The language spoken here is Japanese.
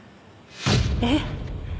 えっ？